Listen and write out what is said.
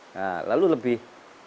nah lalu lebih